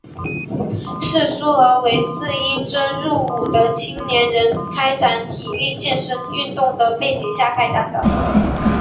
是苏俄为待应征入伍的青年人开展体育健身运动的背景下开展的。